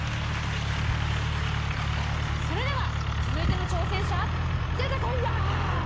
それでは、続いての挑戦者出てこいや！